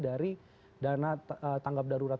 dari dana tanggap darurat